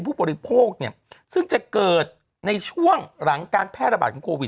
ผู้บริโภคเนี่ยซึ่งจะเกิดในช่วงหลังการแพร่ระบาดของโควิด